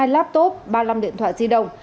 hai laptop ba mươi năm điện thoại di động